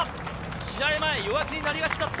試合前、弱気になりがちだった。